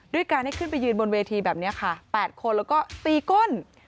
การให้ขึ้นไปยืนบนเวทีแบบนี้ค่ะ๘คนแล้วก็ตีก้น